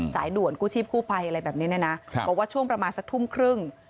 สายด่วนกู้ชีพกู้ภัยอะไรแบบนี้เนี่ยนะบอกว่าช่วงประมาณสักทุ่มครึ่ง